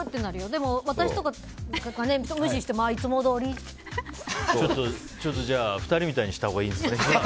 でも、私とかが無視してもちょっと、じゃあ２人みたいにしたほうがいいかな。